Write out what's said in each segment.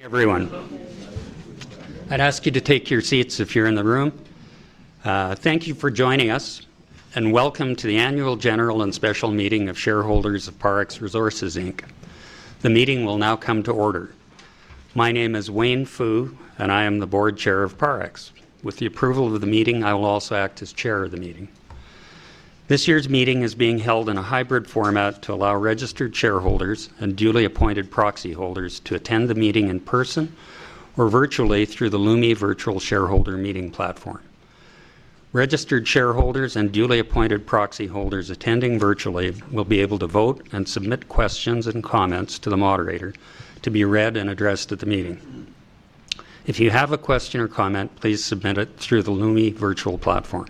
Everyone. I'd ask you to take your seats if you're in the room. Thank you for joining us, and welcome to the annual general and special meeting of shareholders of Parex Resources Inc. The meeting will now come to order. My name is Wayne Foo, and I am the Board Chair of Parex. With the approval of the meeting, I will also act as chair of the meeting. This year's meeting is being held in a hybrid format to allow registered shareholders and duly appointed proxy holders to attend the meeting in person or virtually through the Lumi virtual shareholder meeting platform. Registered shareholders and duly appointed proxy holders attending virtually will be able to vote and submit questions and comments to the moderator to be read and addressed at the meeting. If you have a question or comment, please submit it through the Lumi virtual platform.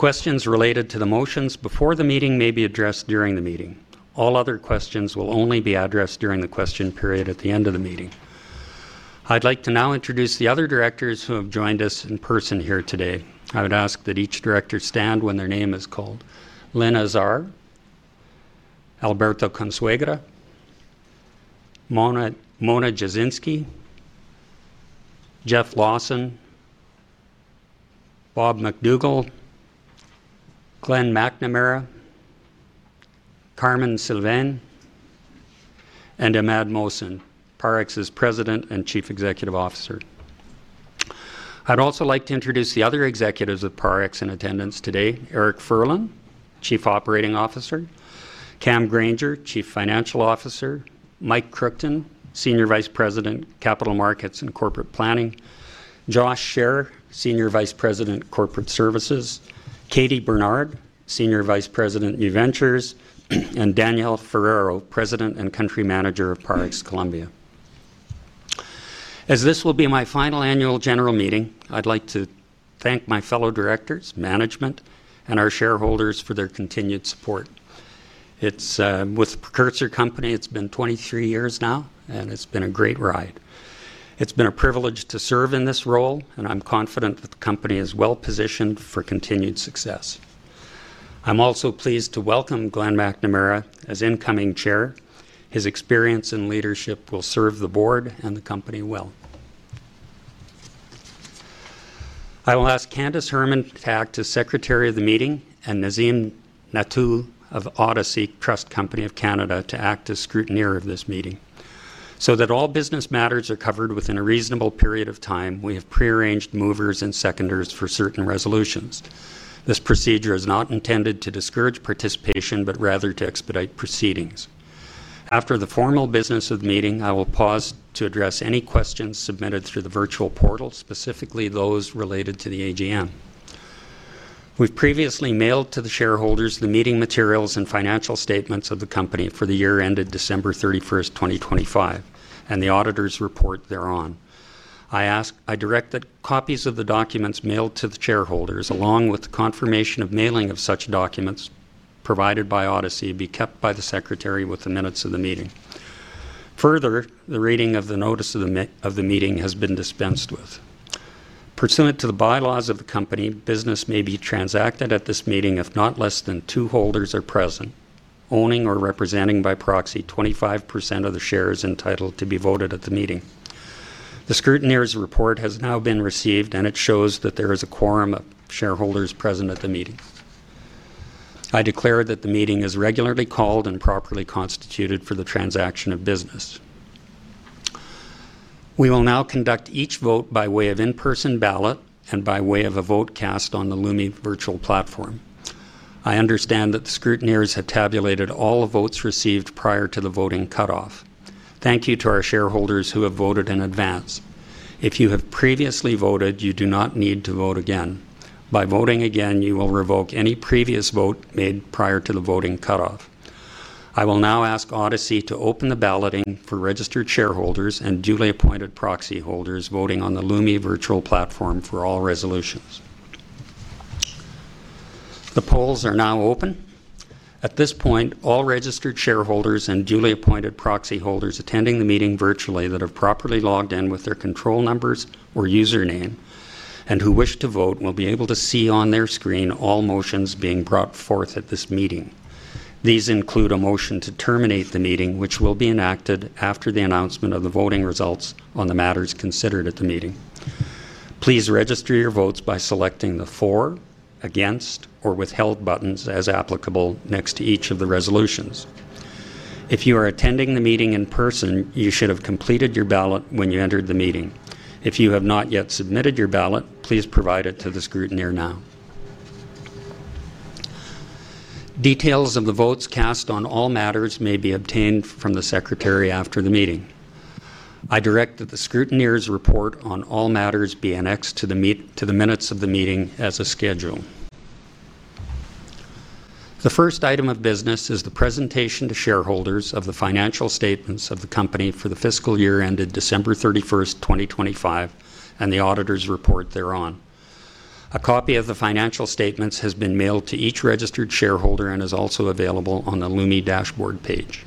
Questions related to the motions before the meeting may be addressed during the meeting. All other questions will only be addressed during the question period at the end of the meeting. I'd like to now introduce the other Directors who have joined us in person here today. I would ask that each Director stand when their name is called. Lynn Azar, Alberto Consuegra, Mona Jasinski, Jeff Lawson, Bob MacDougall, Glenn McNamara, Carmen Sylvain, and Imad Mohsen, Parex's President and Chief Executive Officer. I'd also like to introduce the other executives of Parex in attendance today. Eric Furlan, Chief Operating Officer, Cameron Grainger, Chief Financial Officer, Mike Kruchten, Senior Vice President, Capital Markets and Corporate Planning, Josh Share, Senior Vice President, Corporate Services, Katie Bernard, Senior Vice President, New Ventures, and Daniel Ferreiro, President and Country Manager of Parex Colombia. As this will be my final annual general meeting, I'd like to thank my fellow directors, management, and our shareholders for their continued support. It's with precursor company, it's been 23 years now and it's been a great ride. It's been a privilege to serve in this role and I'm confident that the company is well-positioned for continued success. I'm also pleased to welcome Glenn McNamara as incoming Chair, his experience and leadership will serve the board and the company well. I will ask Candace Herman to act as Secretary of the meeting and Nazim Nathoo of Odyssey Trust Company of Canada to act as Scrutineer of this meeting. That all business matters are covered within a reasonable period of time, we have prearranged movers and seconders for certain resolutions. This procedure is not intended to discourage participation, but rather to expedite proceedings. After the formal business of the meeting, I will pause to address any questions submitted through the virtual portal, specifically those related to the AGM. We've previously mailed to the shareholders the meeting materials and financial statements of the company for the year ended December 31st, 2025, and the auditor's report thereon. I direct that copies of the documents mailed to the shareholders, along with the confirmation of mailing of such documents provided by Odyssey, be kept by the secretary with the minutes of the meeting. Further, the reading of the notice of the meeting has been dispensed with. Pursuant to the bylaws of the company, business may be transacted at this meeting if not less than two holders are present, owning or representing by proxy 25% of the shares entitled to be voted at the meeting. The scrutineers' report has now been received and it shows that there is a quorum of shareholders present at the meeting. I declare that the meeting is regularly called and properly constituted for the transaction of business. We will now conduct each vote by way of in-person ballot and by way of a vote cast on the Lumi virtual platform. I understand that the scrutineers have tabulated all the votes received prior to the voting cutoff. Thank you to our shareholders who have voted in advance. If you have previously voted, you do not need to vote again. By voting again, you will revoke any previous vote made prior to the voting cutoff. I will now ask Odyssey to open the balloting for registered shareholders and duly appointed proxy holders voting on the Lumi virtual platform for all resolutions. The polls are now open. At this point, all registered shareholders and duly appointed proxy holders attending the meeting virtually that have properly logged in with their control numbers or username and who wish to vote will be able to see on their screen all motions being brought forth at this meeting. These include a motion to terminate the meeting which will be enacted after the announcement of the voting results on the matters considered at the meeting. Please register your votes by selecting the for, against, or withheld buttons as applicable next to each of the resolutions. If you are attending the meeting in person, you should have completed your ballot when you entered the meeting. If you have not yet submitted your ballot, please provide it to the scrutineer now. Details of the votes cast on all matters may be obtained from the secretary after the meeting. I direct that the scrutineers' report on all matters be annexed to the minutes of the meeting as a schedule. The first item of business is the presentation to shareholders of the financial statements of the company for the fiscal year ended December 31st, 2025, and the auditor's report thereon. A copy of the financial statements has been mailed to each registered shareholder and is also available on the Lumi dashboard page.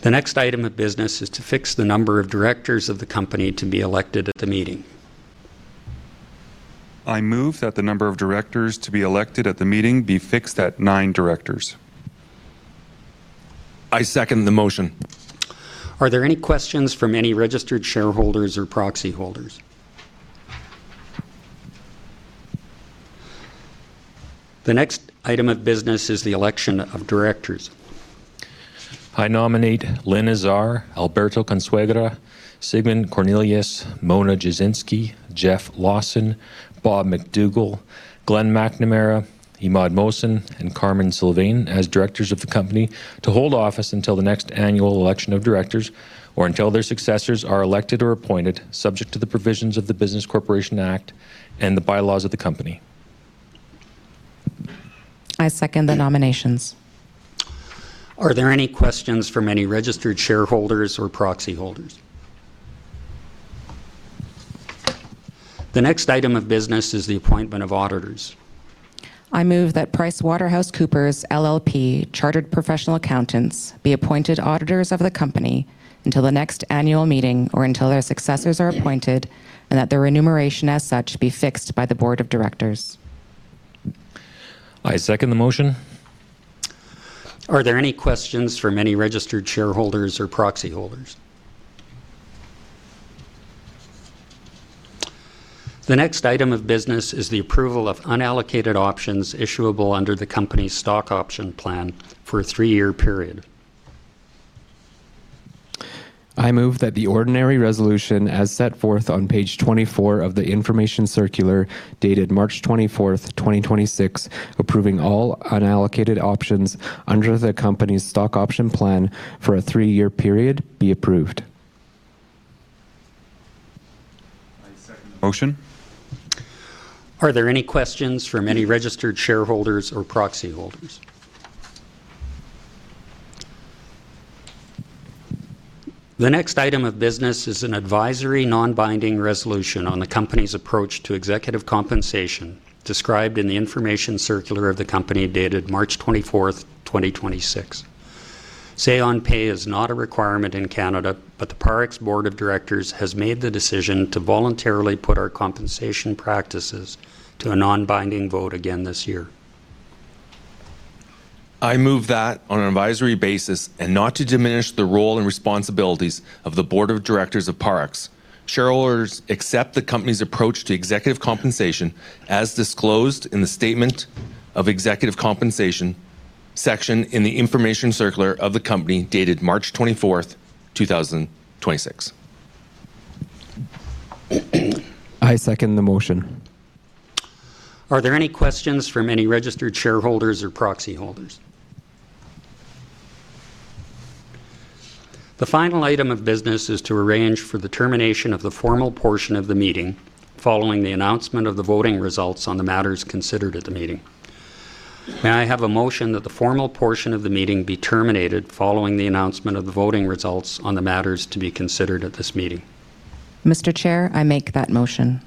The next item of business is to fix the number of directors of the company to be elected at the meeting. I move that the number of directors to be elected at the meeting be fixed at nine directors. I second the motion. Are there any questions from any registered shareholders or proxy holders? The next item of business is the election of directors. I nominate Lynn Azar, Alberto Consuegra, Sigmund Cornelius, Mona Jasinski, Jeff Lawson, Bob MacDougall, Glenn McNamara, Imad Mohsen, and Carmen Sylvain as directors of the company to hold office until the next annual election of directors or until their successors are elected or appointed, subject to the provisions of the Business Corporations Act and the bylaws of the company. I second the nominations. Are there any questions from any registered shareholders or proxy holders? The next item of business is the appointment of auditors. I move that PricewaterhouseCoopers LLP Chartered Professional Accountants be appointed auditors of the company until the next annual meeting or until their successors are appointed and that their remuneration as such be fixed by the board of directors. I second the motion. Are there any questions from any registered shareholders or proxy holders? The next item of business is the approval of unallocated options issuable under the company's stock option plan for a three-year period. I move that the ordinary resolution, as set forth on page 24 of the information circular dated March 24th, 2026, approving all unallocated options under the company's stock option plan for a three-year period, be approved. Motion. Are there any questions from any registered shareholders or proxy holders? The next item of business is an advisory non-binding resolution on the company's approach to executive compensation described in the information circular of the company dated March 24th, 2026. Say on pay is not a requirement in Canada, the Parex board of directors has made the decision to voluntarily put our compensation practices to a non-binding vote again this year. I move that on an advisory basis and not to diminish the role and responsibilities of the board of directors of Parex, shareholders accept the company's approach to executive compensation as disclosed in the Statement of Executive Compensation section in the information circular of the company dated March 24th, 2026. I second the motion. Are there any questions from any registered shareholders or proxy holders? The final item of business is to arrange for the termination of the formal portion of the meeting following the announcement of the voting results on the matters considered at the meeting. May I have a motion that the formal portion of the meeting be terminated following the announcement of the voting results on the matters to be considered at this meeting? Mr. Chair, I make that motion.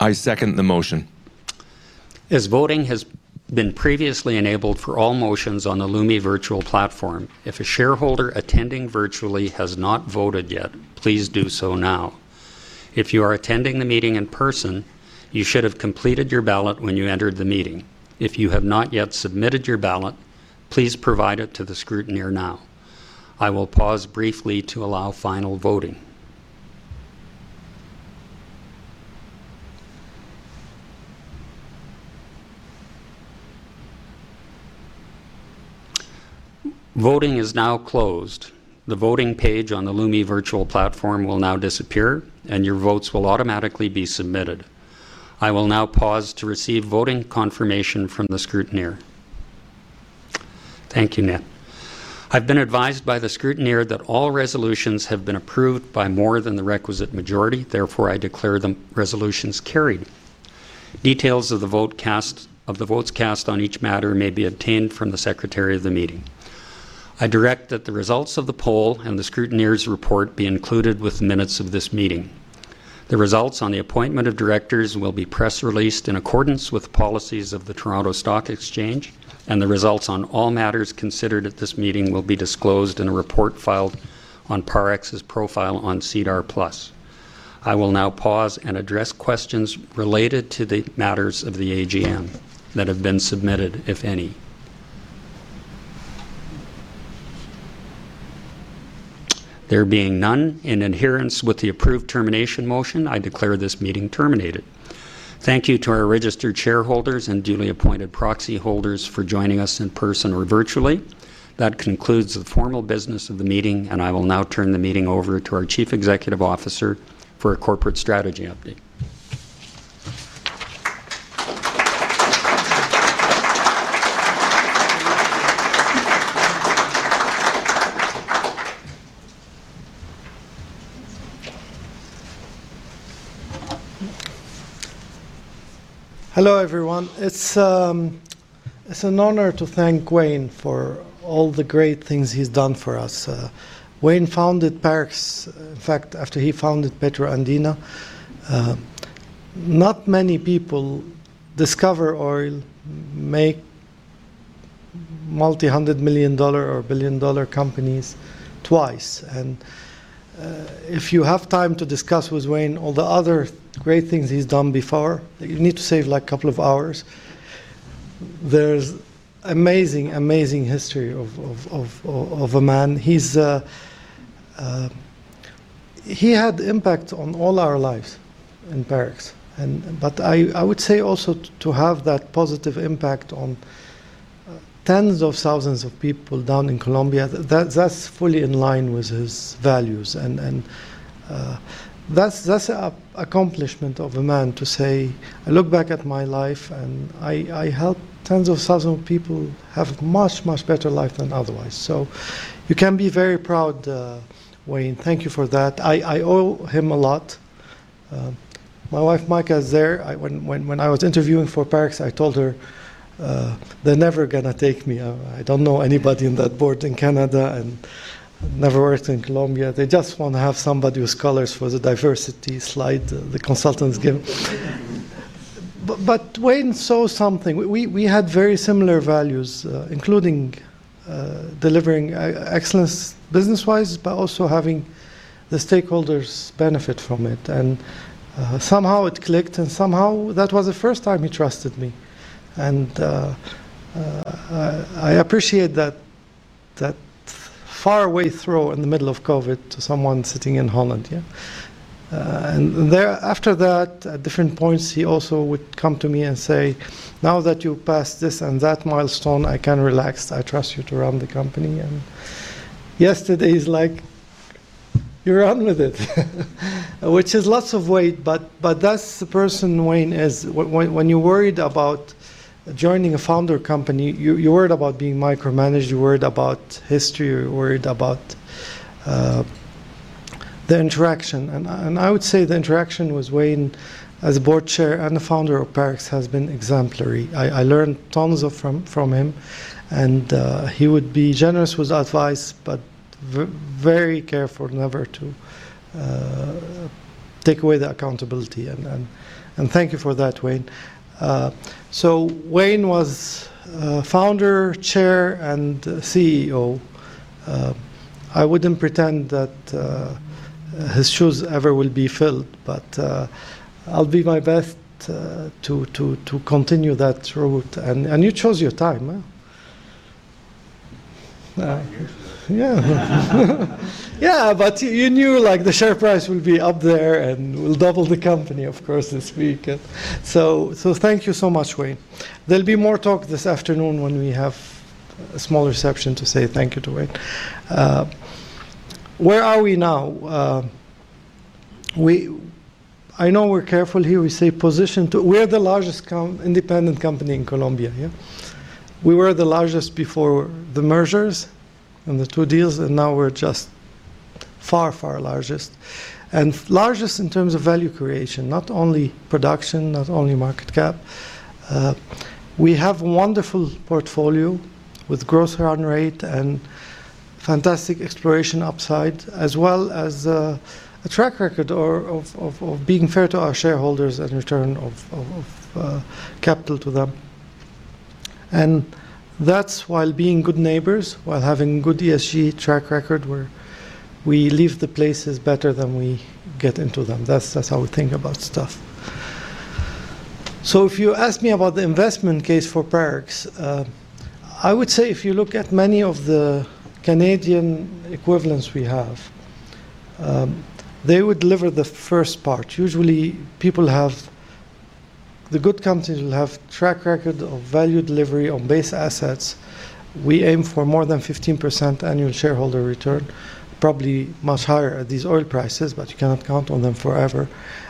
I second the motion. As voting has been previously enabled for all motions on the Lumi Virtual Platform, if a shareholder attending virtually has not voted yet, please do so now. If you are attending the meeting in person, you should have completed your ballot when you entered the meeting. If you have not yet submitted your ballot, please provide it to the scrutineer now. I will pause briefly to allow final voting. Voting is now closed. The voting page on the Lumi Virtual Platform will now disappear, and your votes will automatically be submitted. I will now pause to receive voting confirmation from the scrutineer. Thank you, Nat. I've been advised by the scrutineer that all resolutions have been approved by more than the requisite majority, therefore, I declare the resolutions carried. Details of the votes cast on each matter may be obtained from the secretary of the meeting. I direct that the results of the poll and the scrutineers' report be included with minutes of this meeting. The results on the appointment of directors will be press released in accordance with the policies of the Toronto Stock Exchange. The results on all matters considered at this meeting will be disclosed in a report filed on Parex's profile on SEDAR+. I will now pause and address questions related to the matters of the AGM that have been submitted, if any. There being none, in adherence with the approved termination motion, I declare this meeting terminated. Thank you to our registered shareholders and duly appointed proxy holders for joining us in person or virtually. That concludes the formal business of the meeting, I will now turn the meeting over to our Chief Executive Officer for a corporate strategy update. Hello, everyone. It's an honor to thank Wayne for all the great things he's done for us. Wayne founded Parex. In fact, after he founded Petro Andina. Not many people discover oil, make multi-hundred million dollar or billion dollar companies twice. If you have time to discuss with Wayne all the other great things he's done before, you need to save like a couple of hours. There's amazing history of a man, he had impact on all our lives in Parex. But I would say also to have that positive impact on tens of thousands of people down in Colombia, that's fully in line with his values and that's a accomplishment of a man to say, "I look back at my life and I helped tens of thousands of people have much, much better life than otherwise." You can be very proud, Wayne. Thank you for that, I owe him a lot. My wife Micah is there. When I was interviewing for Parex, I told her, "They're never gonna take me. I don't know anybody in that board in Canada, and never worked in Colombia. They just wanna have somebody with colors for the diversity slide the consultants give." Wayne saw something, we had very similar values, including delivering excellence business-wise, but also having the stakeholders benefit from it. Somehow it clicked and somehow that was the first time he trusted me. I appreciate that faraway throw in the middle of COVID to someone sitting in Holland, yeah? There after that, at different points, he also would come to me and say, "Now that you passed this and that milestone, I can relax. I trust you to run the company." Yesterday, he's like, "You run with it." Which has lots of weight, but that's the person Wayne is. When you're worried about joining a founder company, you're worried about being micromanaged, you're worried about history, you're worried about the interaction. I would say the interaction with Wayne as a Board Chair and the founder of Parex has been exemplary. I learned tons from him. He would be generous with advice, but very careful never to take away the accountability. Thank you for that, Wayne. Wayne was Founder, Chair, and CEO. I wouldn't pretend that his shoes ever will be filled, but I'll do my best to continue that route. You chose your time, huh? Thank you. Yeah. You knew, like, the share price will be up there, and we'll double the company, of course, this week. Thank you so much, Wayne. There'll be more talk this afternoon when we have a small reception to say thank you to Wayne. Where are we now? I know we're careful here. We say positioned to, we're the largest independent company in Colombia, yeah? We were the largest before the mergers and the two deals, and now we're just far largest. Largest in terms of value creation, not only production, not only market cap. We have wonderful portfolio with growth run rate and fantastic exploration upside, as well as a track record of being fair to our shareholders and return of capital to them. That's while being good neighbors, while having good ESG track record where we leave the places better than we get into them that's how we think about stuff. If you ask me about the investment case for Parex, I would say if you look at many of the Canadian equivalents we have, they would deliver the first part. Usually, good companies will have track record of value delivery on base assets. We aim for more than 15% annual shareholder return, probably much higher at these oil prices, but you cannot count on them forever.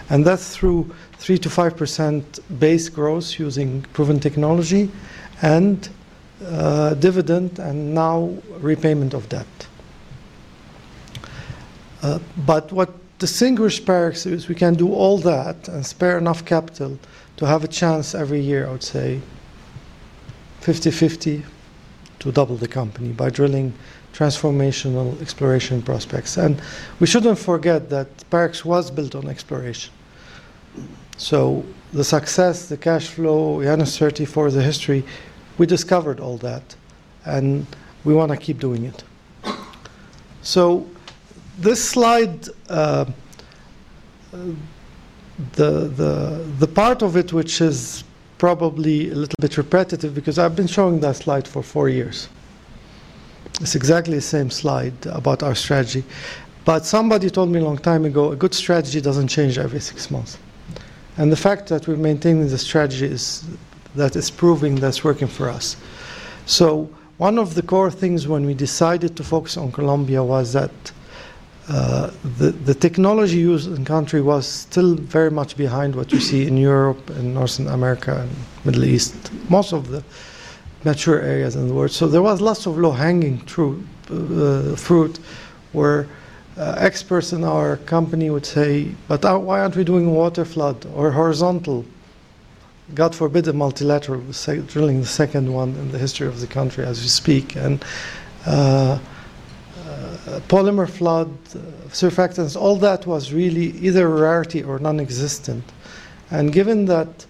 That's through 3%-5% base growth using proven technology and dividend and now repayment of debt. What distinguish Parex is we can do all that and spare enough capital to have a chance every year, I would say 50/50 to double the company by drilling transformational exploration prospects. We shouldn't forget that Parex was built on exploration. The success, the cash flow, the uncertainty for the history, we discovered all that, and we want to keep doing it. This slide, the part of it which is probably a little bit repetitive because I've been showing that slide for four years. It's exactly the same slide about our strategy. Somebody told me a long time ago, a good strategy doesn't change every six months. The fact that we're maintaining the strategy is that it's proving that it's working for us. One of the core things when we decided to focus on Colombia was that the technology used in country was still very much behind what you see in Europe and Northern America and Middle East, most of the mature areas in the world. There was lots of low-hanging fruit where experts in our company would say, "But why aren't we doing waterflood or horizontal?" God forbid a multilateral, we're drilling the second one in the history of the country as we speak. Polymer flood surfactants, all that was really either rarity or nonexistent. Given that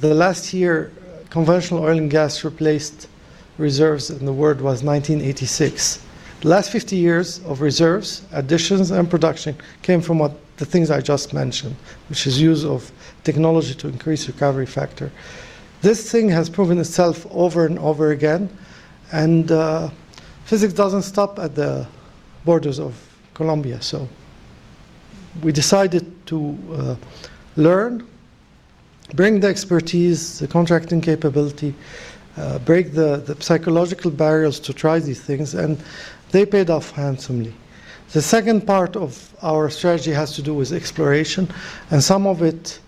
the last year conventional oil and gas replaced reserves in the world was 1986. Last 50 years of reserves, additions and production came from what the things I just mentioned which is use of technology to increase recovery factor. This thing has proven itself over and over again. Physics doesn't stop at the borders of Colombia. We decided to learn, bring the expertise, the contracting capability, break the psychological barriers to try these things, and they paid off handsomely. The second part of our strategy has to do with exploration. Some of it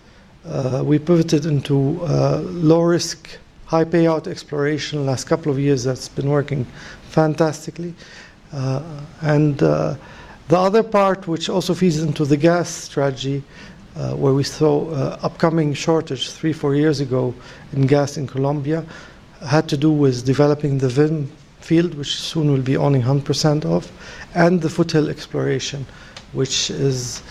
we put it into low risk, high payout exploration. Last couple of years, that's been working fantastically. The other part which also feeds into the gas strategy, where we saw upcoming shortage three, four years ago in gas in Colombia had to do with developing the VIM field which soon will be owning 100% of, and the foothill exploration, which is,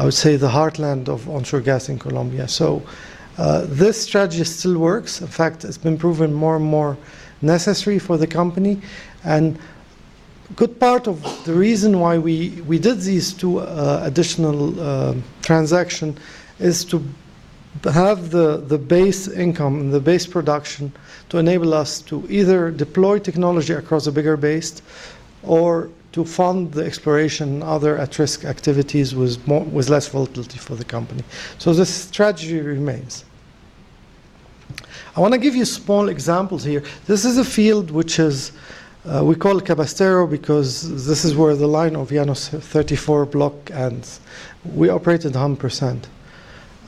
I would say, the heartland of onshore gas in Colombia. This strategy still works. In fact, it's been proven more and more necessary for the company. Good part of the reason why we did these two additional transaction is to have the base income, the base production to enable us to either deploy technology across a bigger base or to fund the exploration and other at-risk activities with less volatility for the company, the strategy remains. I wanna give you small examples here. This is a field which is, we call Cabrestero because this is where the line of Llanos-34 block ends. We operate at 100%.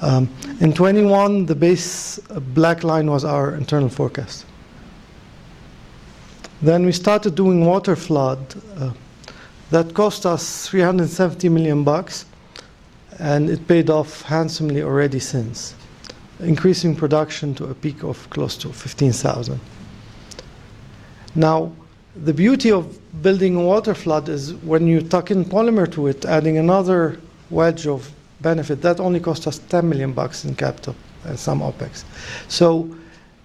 In 2021, the base black line was our internal forecast. We started doing waterflood that cost us $370 million and it paid off handsomely already since, increasing production to a peak of close to 15,000. The beauty of building a waterflood is when you tuck in polymer to it, adding another wedge of benefit that only cost us $10 million in capital and some OpEx.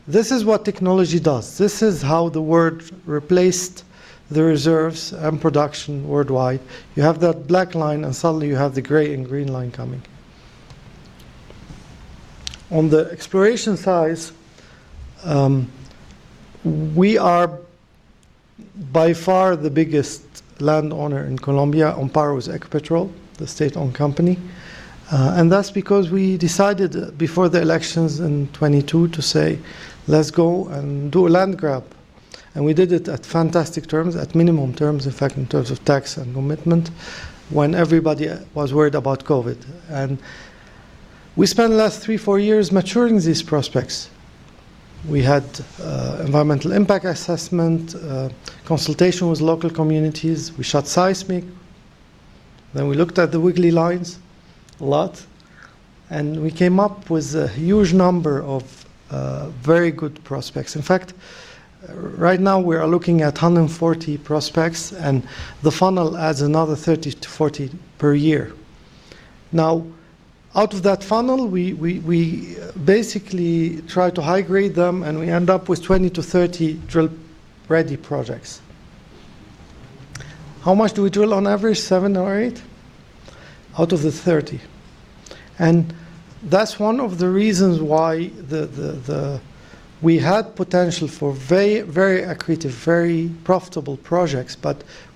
This is what technology does, this is how the world replaced the reserves, and production worldwide. You have that black line and suddenly you have the gray and green line coming. On the exploration side, we are by far the biggest landowner in Colombia on par with Ecopetrol, the state-owned company that's because we decided before the elections in 2022 to say, "Let's go and do a land grab." We did it at fantastic terms, at minimum terms, in fact, in terms of tax and commitment when everybody was worried about COVID. We spent the last three, four years maturing these prospects. We had environmental impact assessment consultation with local communities, we shot seismic, we looked at the wiggly lines a lot, and we came up with a huge number of very good prospects. In fact, right now we are looking at 140 prospects and the funnel adds another 30-40 per year. Out of that funnel, we basically try to high-grade them and we end up with 20-30 drill-ready projects. How much do we drill on average? 7 or 8 out of the 30. That's one of the reasons why the we had potential for very, very accretive, very profitable projects.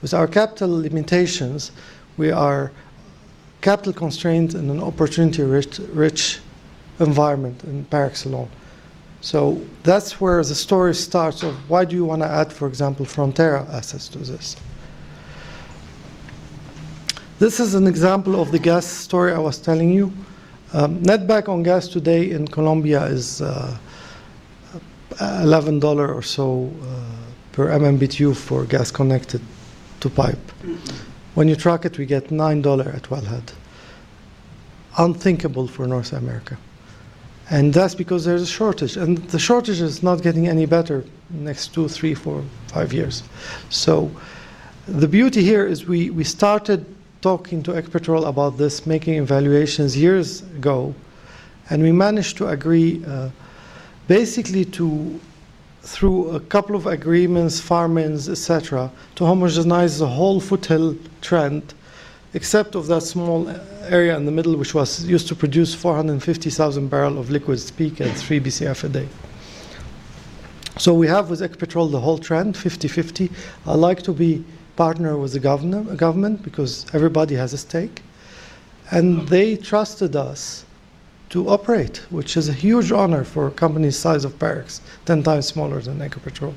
With our capital limitations, we are capital constrained in an opportunity-rich, rich environment in Parex alone that's where the story starts of why do you wanna add, for example, Frontera assets to this. This is an example of the gas story I was telling you. Netback on gas today in Colombia is $11 or so per MMBtu for gas connected to pipe. When you track it, we get $9 at wellhead, unthinkable for North America. That's because there's a shortage, and the shortage is not getting any better next two, three, four, five years. The beauty here is we started talking to Ecopetrol about this, making evaluations years ago and we managed to agree basically to, through a couple of agreements, farm-ins, et cetera, to homogenize the whole foothill trend, except of that small area in the middle which was used to produce 450,000 barrel of liquids peak at 3 Bcf a day. We have with Ecopetrol the whole trend, 50/50. I like to be partner with the government because everybody has a stake. They trusted us to operate which is a huge honor for a company the size of Parex's, 10x smaller than Ecopetrol.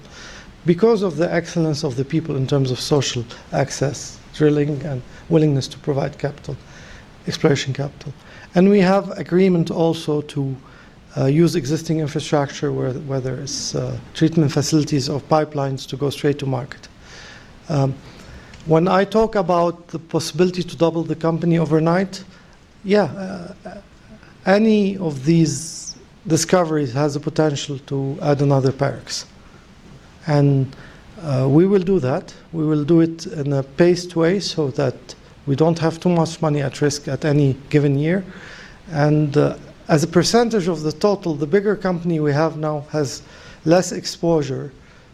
Because of the excellence of the people in terms of social access, drilling, and willingness to provide capital, exploration capital. We have agreement also to use existing infrastructure where, whether it's treatment facilities of pipelines to go straight to market. When I talk about the possibility to double the company overnight, yeah, any of these discoveries has the potential to add another Parex. We will do that. We will do it in a paced way so that we don't have too much money at risk at any given year. As a percentage of the total, the bigger company we have now has less exposure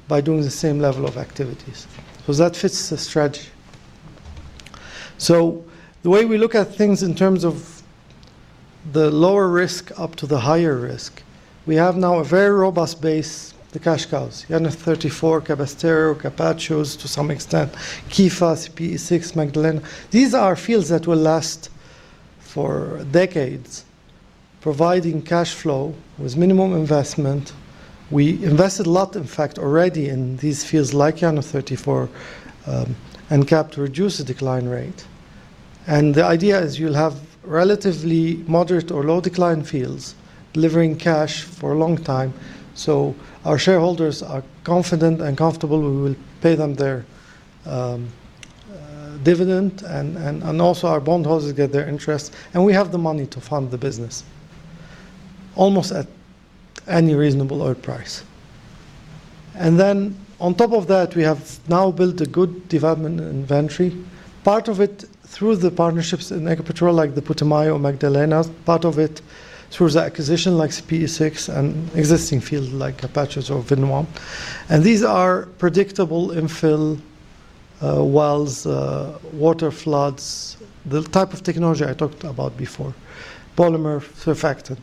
by doing the same level of activities, because that fits the strategy. The way we look at things in terms of the lower risk up to the higher risk, we have now a very robust base, the cash cows, Llanos-34, Cabrestero, Capachos to some extent, Quifa, CPE-6, Magdalena. These are fields that will last for decades, providing cash flow with minimum investment, we invested a lot, in fact, already in these fields like Llanos-34, and capped reduced decline rate. The idea is you'll have relatively moderate or low decline fields delivering cash for a long time. Our shareholders are confident and comfortable we will pay them their dividend and also our bondholders get their interest, and we have the money to fund the business almost at any reasonable oil price. On top of that, we have now built a good development inventory, part of it through the partnerships in Ecopetrol, like the Putumayo, Magdalena, part of it through the acquisition like CPE-6 and existing fields like Cabrestero or Vanoa, these are predictable infill wells, water floods, the type of technology I talked about before, polymer flood.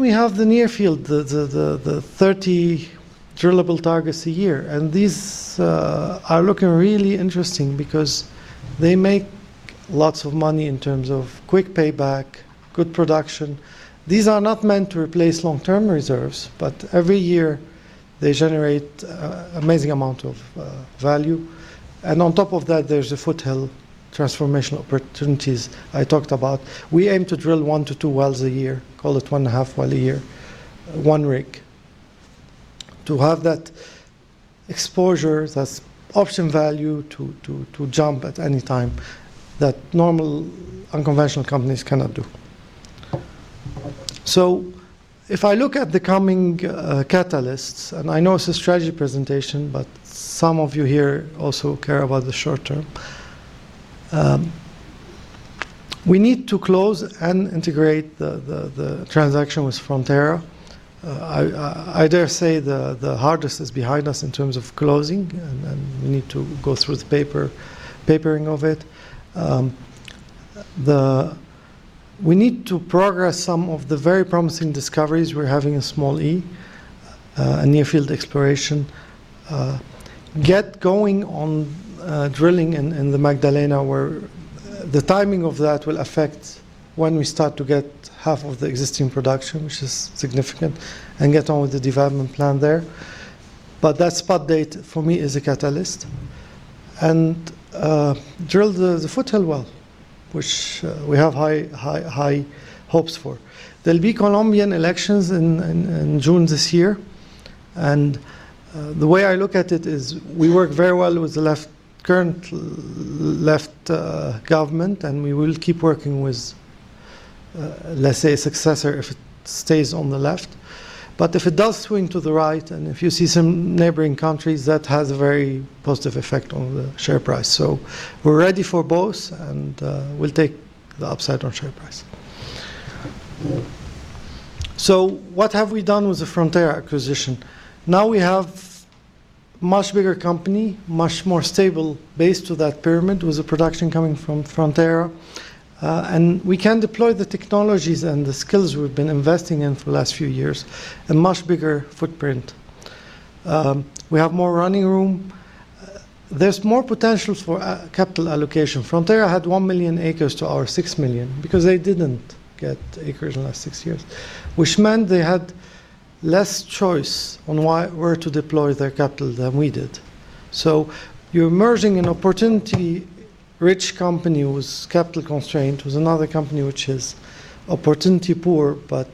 We have the near field, the 30 drillable targets a year, these are looking really interesting because they make lots of money in terms of quick payback, good production. These are not meant to replace long-term reserves, every year they generate amazing amount of value. On top of that, there's the foothill transformational opportunities I talked about. We aim to drill one to two wells a year, call it 1/2 well a year, one rig, to have that exposure that option value to jump at any time that normal unconventional companies cannot do. If I look at the coming catalysts and I know it's a strategy presentation, but some of you here also care about the short term. We need to close and integrate the transaction with Frontera. I dare say the hardest is behind us in terms of closing, and we need to go through the paper-papering of it. We need to progress some of the very promising discoveries we're having in small E, near field exploration. Get going on drilling in the Magdalena, where the timing of that will affect when we start to get half of the existing production which is significant, and get on with the development plan there. That spot date for me is a catalyst. Drill the foothill well which we have high hopes for. There will be Colombian elections in June this year. The way I look at it is we work very well with the current left government and we will keep working with, let's say, a successor if it stays on the left. If it does swing to the right and if you see some neighboring countries, that has a very positive effect on the share price. We're ready for both, and we'll take the upside on share price. What have we done with the Frontera acquisition? Now we have much bigger company, much more stable base to that pyramid with the production coming from Frontera. We can deploy the technologies and the skills we've been investing in for the last few years in much bigger footprint. We have more running room, there's more potential for capital allocation. Frontera had 1 million acres to our 6 million because they didn't get acres in the last 6 years which meant they had less choice on where to deploy their capital than we did. You're merging an opportunity-rich company with capital constraint with another company which is opportunity-poor but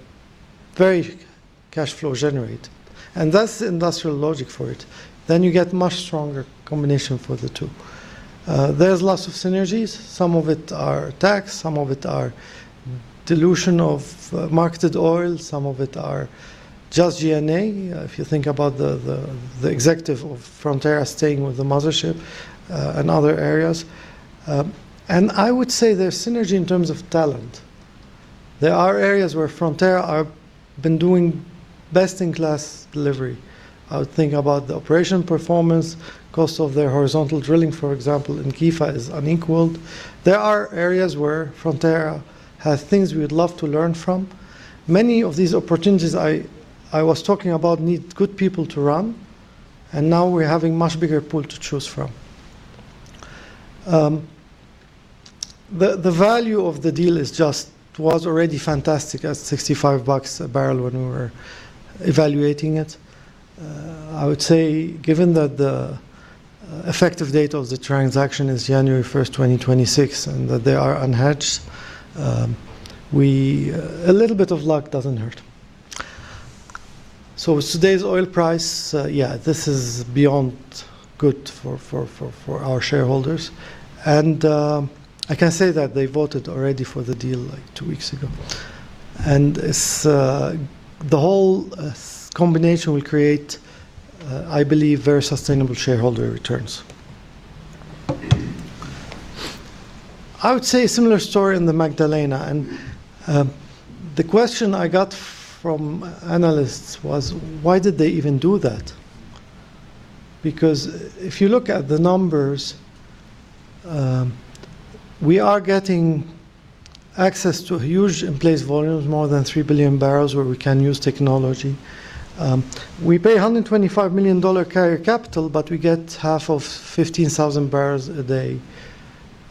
very cash flow generate and that's the industrial logic for it. You get much stronger combination for the two. There's lots of synergies, some of it are tax, some of it are dilution of marketed oil, some of it are just G&A if you think about the executive of Frontera staying with the mothership, and other areas. I would say there's synergy in terms of talent. There are areas where Frontera are been doing best-in-class delivery. I would think about the operation performance, cost of their horizontal drilling, for example, in Quifa is unequaled. There are areas where Frontera have things we would love to learn from. Many of these opportunities I was talking about need good people to run, now we're having much bigger pool to choose from. The value of the deal was already fantastic at $65 a barrel when we were evaluating it. I would say given that the effective date of the transaction is January 1st, 2026 and that they are unhedged, a little bit of luck doesn't hurt. With today's oil price, this is beyond good for our shareholders. I can say that they voted already for the deal like two weeks ago. The whole combination will create, I believe, very sustainable shareholder returns. I would say similar story in the Magdalena. The question I got from analysts was, why did they even do that? Because if you look at the numbers, we are getting access to huge in-place volumes, more than 3 billion barrels where we can use technology. We pay $125 million carry capital, we get half of 15,000 barrels a day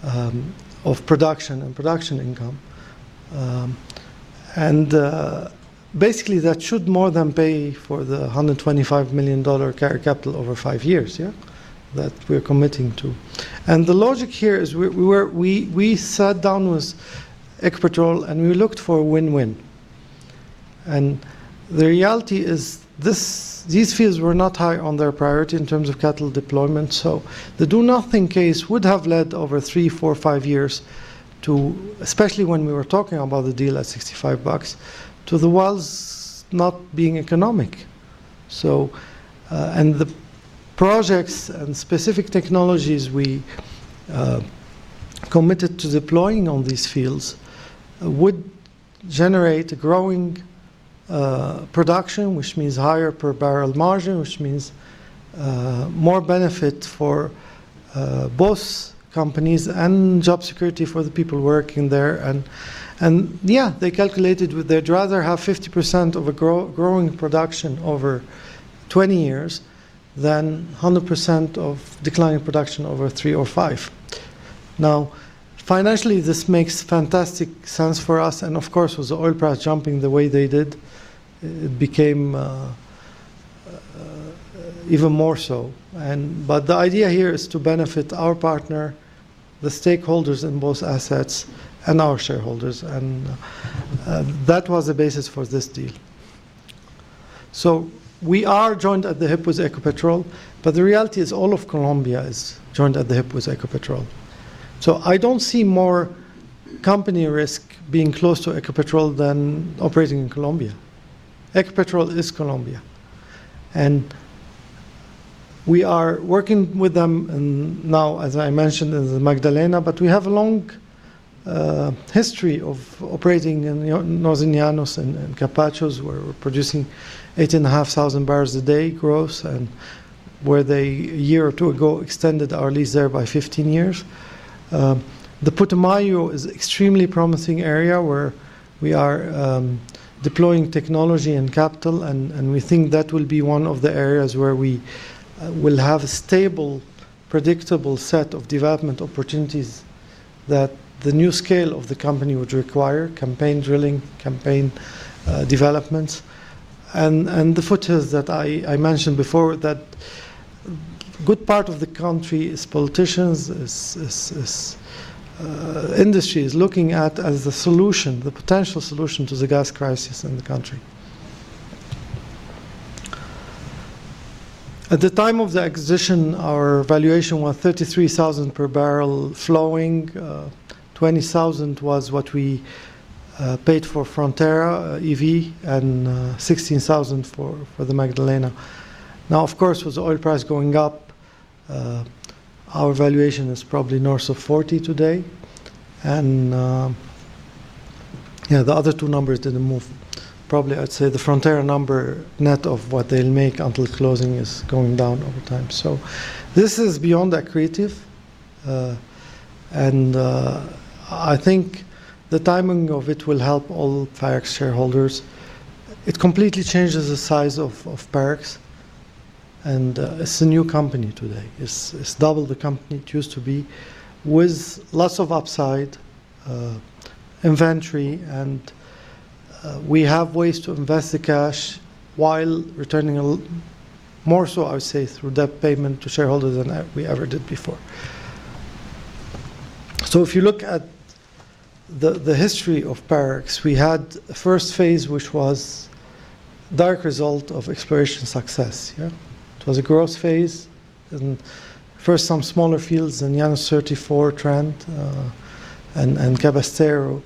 of production and production income. Basically, that should more than pay for the $125 million carry capital over five years that we're committing to. The logic here is we sat down with Ecopetrol, and we looked for a win-win. The reality is this, these fields were not high on their priority in terms of capital deployment. The do-nothing case would have led over three, four, five years to, especially when we were talking about the deal at $65 to the wells not being economic. The projects and specific technologies we committed to deploying on these fields would generate a growing production which means higher per barrel margin which means more benefit for both companies and job security for the people working there. They calculated they'd rather have 50% of a growing production over 20 years than 100% of declining production over 3 or 5. Financially, this makes fantastic sense for us. Of course, with the oil price jumping the way they did, it became even more so. The idea here is to benefit our partner, the stakeholders in both assets, and our shareholders, that was the basis for this deal. We are joined at the hip with Ecopetrol, but the reality is all of Colombia is joined at the hip with Ecopetrol. I don't see more company risk being close to Ecopetrol than operating in Colombia. Ecopetrol is Colombia. We are working with them, and now, as I mentioned, in the Magdalena, but we have a long history of operating in Los Llanos and Capachos, where we're producing 8,500 barrels a day gross and where they, a year or two ago, extended our lease there by 15 years. The Putumayo is extremely promising area where we are deploying technology and capital and we think that will be one of the areas where we will have a stable, predictable set of development opportunities that the new scale of the company would require, campaign drilling, campaign developments, and the footers that I mentioned before, that good part of the country's politicians, its industry is looking at as the solution, the potential solution to the gas crisis in the country. At the time of the acquisition, our valuation was $33,000 per barrel flowing. $20,000 was what we paid for Frontera EV, and $16,000 for the Magdalena. Of course, with the oil price going up, our valuation is probably north of $40 today. The other two numbers didn't move. Probably, I'd say the Frontera number net of what they'll make until closing is going down over time. This is beyond accretive, I think the timing of it will help all Parex shareholders. It completely changes the size of Parex. It's a new company today. It's double the company it used to be with lots of upside inventory, we have ways to invest the cash while returning more so I would say through debt payment to shareholders than we ever did before. If you look at the history of Parex, we had a first phase which was dark result of exploration success. Yeah, it was a growth phase. First, some smaller fields in Llanos-34 trend, and Cabrestero.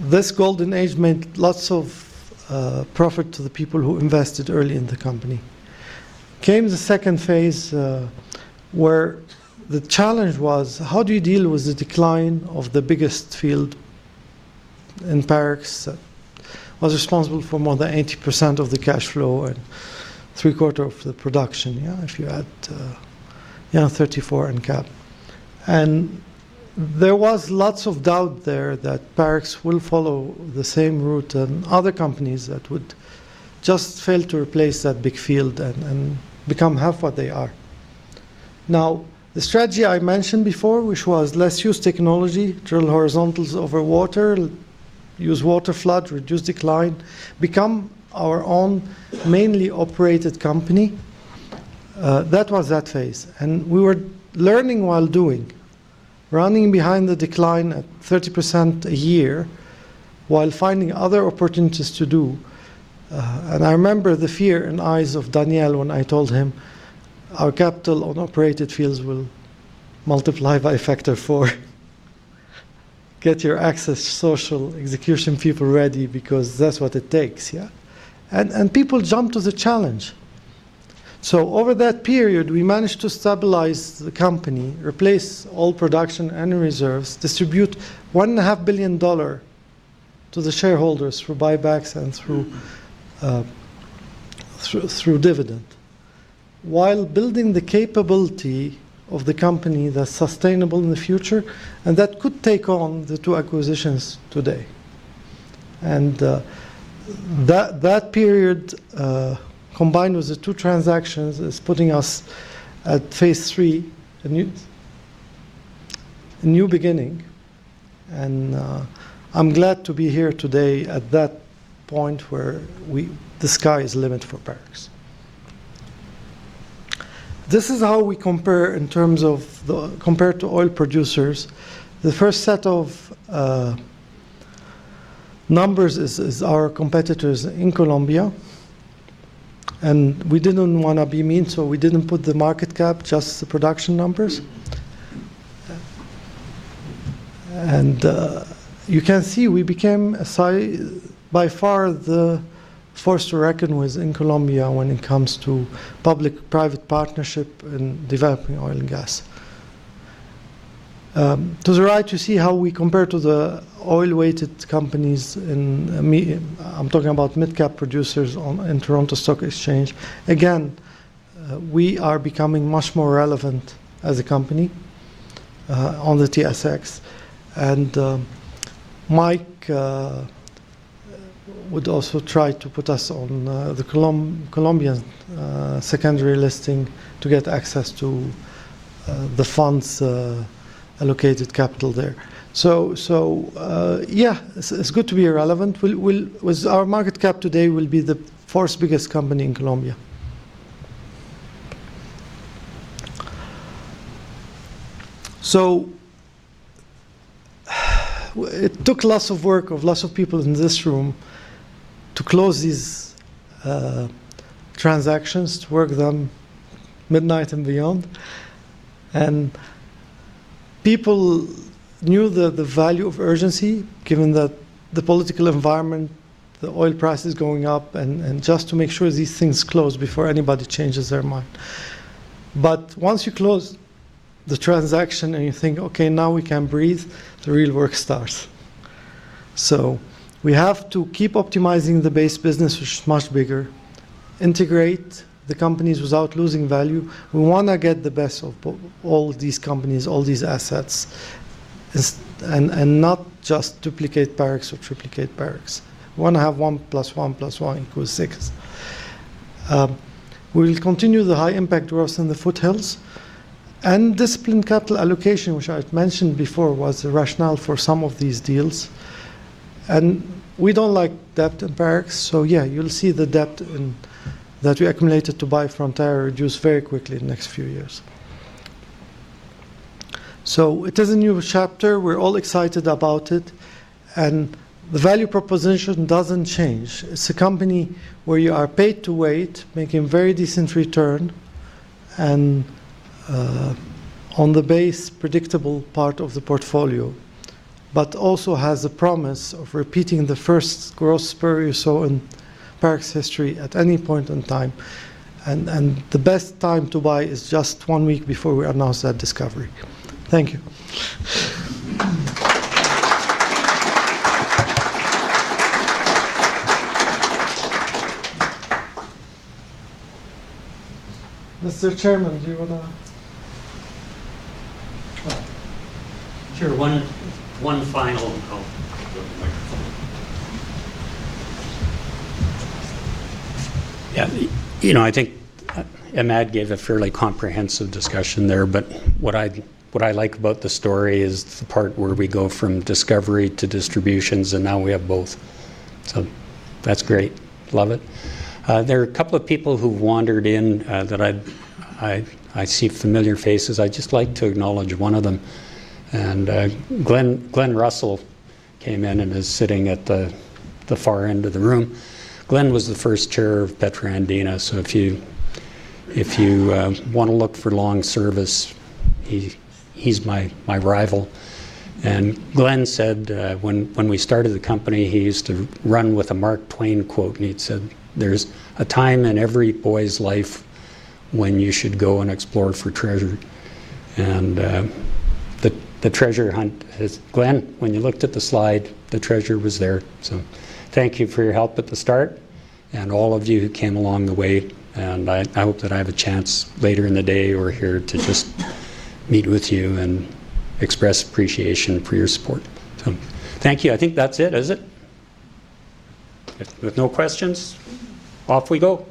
This golden age made lots of profit to the people who invested early in the company. Came the second phase where the challenge was, how do you deal with the decline of the biggest field in Parex that was responsible for more than 80% of the cash flow and three quarters of the production, yeah, if you add Llanos-34 and Cab. There was lots of doubt there that Parex will follow the same route and other companies that would just fail to replace that big field and become half what they are. Now, the strategy I mentioned before, which was let's use technology, drill horizontals over water, use waterflood, reduce decline, become our own mainly operated company, that was that phase. We were learning while doing, running behind the decline at 30% a year, while finding other opportunities to do. I remember the fear in eyes of Daniel when I told him our capital on operated fields will multiply by a factor of four. Get your access social execution people ready, because that's what it takes, yeah? People jumped to the challenge. Over that period, we managed to stabilize the company, replace all production and reserves, distribute $1.5 billion to the shareholders through buybacks and through dividend, while building the capability of the company that's sustainable in the future and that could take on the two acquisitions today. That period, combined with the two transactions is putting us at phase III, a new beginning. I'm glad to be here today at that point where we the sky is the limit for Parex's. This is how we compare in terms of the compare to oil producers. The first set of numbers is our competitors in Colombia. We didn't wanna be mean, so we didn't put the market cap, just the production numbers. You can see we became by far the force to reckon with in Colombia when it comes to public-private partnership in developing oil and gas. To the right you see how we compare to the oil-weighted companies, I'm talking about mid-cap producers on Toronto Stock Exchange. Again, we are becoming much more relevant as a company on the TSX. Mike would also try to put us on the Colombian secondary listing to get access to the funds allocated capital there. Yeah, it's good to be relevant, with our market cap today we'll be the 4th biggest company in Colombia. It took lots of work of lots of people in this room to close these transactions, to work them midnight and beyond. People knew the value of urgency, given the political environment, the oil prices going up, and just to make sure these things close before anybody changes their mind. Once you close the transaction and you think, "Okay, now we can breathe," the real work starts. We have to keep optimizing the base business which is much bigger, integrate the companies without losing value. We wanna get the best of all these companies, all these assets, is and not just duplicate Parex's or triplicate Parex's. We wanna have one plus one plus one equals six. We'll continue the high impact to us in the foothills and discipline capital allocation which I had mentioned before was the rationale for some of these deals. We don't like debt at Parex's, yeah, you'll see the debt in that we accumulated to buy Frontera reduced very quickly in the next few years. It is a new chapter, we're all excited about it. The value proposition doesn't change. It's a company where you are paid to wait, making very decent return, and on the base predictable part of the portfolio, but also has a promise of repeating the first growth spur you saw in Parex's history at any point in time. The best time to buy is just one week before we announce that discovery. Thank you. Mr. Chairman, do you wanna? Sure. One final, Oh. You have the microphone. Yeah. You know, I think Imad gave a fairly comprehensive discussion there, but what I like about the story is the part where we go from discovery to distributions, and now we have both. That's great, love it. There are a couple of people who've wandered in that I see familiar faces, I'd just like to acknowledge one of them. Glenn Russell came in and is sitting at the far end of the room. Glen was the first chair of PetroAndina, so if you wanna look for long service, he's my rival. Glen said, when we started the company, he used to run with a Mark Twain quote, and he'd said, "There's a time in every boy's life when you should go and explore for treasure." The treasure hunt is Glen, when you looked at the slide, the treasure was there. Thank you for your help at the start and all of you who came along the way. I hope that I have a chance later in the day or here to just meet with you and express appreciation for your support. Thank you, I think that's it. Is it? With no questions, off we go.